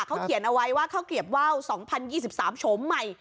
เขาเขียนเอาไว้ว่าข้าวเกลียบว่าว๒๐๒๓โฉมใหม่